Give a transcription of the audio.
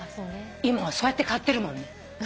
今はそうやって買ってるもんね。